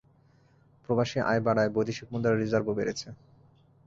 প্রবাসী আয় বাড়ায় বৈদেশিক মুদ্রার রিজার্ভও বেড়েছে।